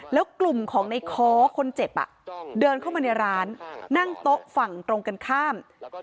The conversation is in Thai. แล้วกลุ่มของในค้อคนเจ็บเดินเข้ามาในร้านนั่งโต๊ะฝั่งตรงกันข้าม